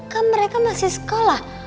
kan mereka masih sekolah